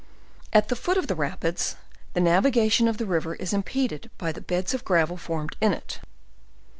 At the foot of the rapids, the navigation of the river is impeded by the beds of gravels formed in it.